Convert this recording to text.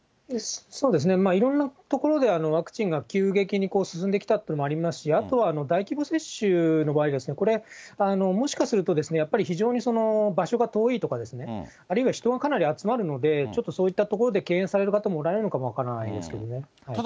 そうですね、いろんなところでワクチンが急激に進んできたというのもありますし、あとは大規模接種の場合ですね、これはもしかすると、やっぱり非常に場所が遠いとか、あるいは人がかなり集まるので、ちょっとそういったところで敬遠される方もおられるのかも分からただ